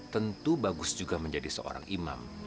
tentu bagus juga menjadi seorang imam